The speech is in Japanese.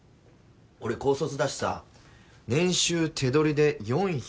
俺高卒だしさ年収手取りで４００。